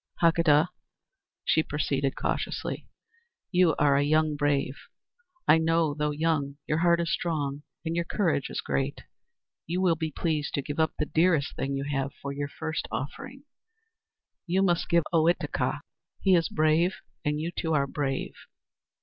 "Hakadah," she proceeded cautiously, "you are a young brave. I know, though young, your heart is strong and your courage is great. You will be pleased to give up the dearest thing you have for your first offering. You must give up Ohitika. He is brave; and you, too, are brave.